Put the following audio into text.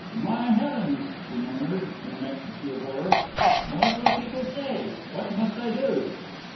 "My heavens!" he murmured, in an ecstasy of horror. "What will people say? What must I do?"